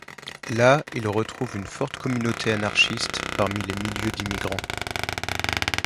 Là, il retrouve une forte communauté anarchiste parmi les milieux d'immigrants.